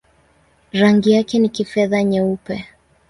Rangi yake ni kifedha-nyeupe.